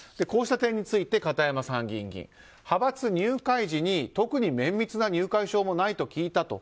こうした点について片山参議院議員派閥入会時に特に綿密な入会証もないと聞いた。